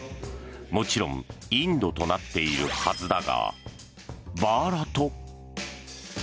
もちろんインドとなっているはずだがバーラト。